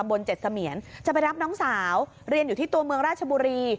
๗เสมียนจะไปรับน้องสาวเรียนอยู่ที่ตัวเมืองราชบุรี